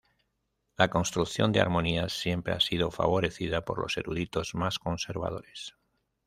La construcción de armonías siempre ha sido favorecida por los eruditos más conservadores.